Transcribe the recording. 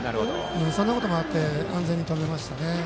そんなこともあって安全に止めましたね。